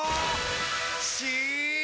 し！